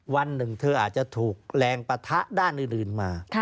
วันหนึ่งเธออาจจะถูกแรงปะทะด้านอื่นมา